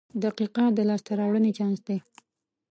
• دقیقه د لاسته راوړنې چانس دی.